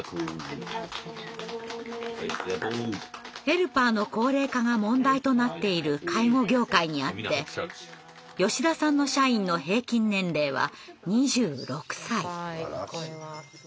ヘルパーの高齢化が問題となっている介護業界にあって吉田さんの社員の平均年齢は２６歳。